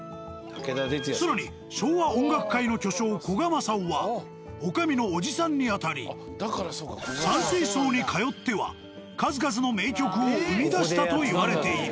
更に昭和音楽界の巨匠古賀政男は女将のおじさんにあたり「山水荘」に通っては数々の名曲を生み出したといわれている。